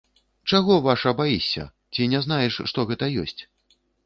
Чаго, ваша, баішся, ці не знаеш, што гэта ёсць?